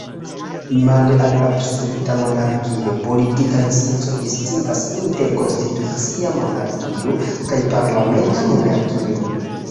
Male al absoluta monarkio, politika scienco distingas inter konstitucia monarkio kaj parlamenta monarkio.